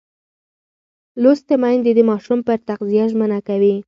لوستې میندې د ماشوم پر تغذیه ژمنه ده.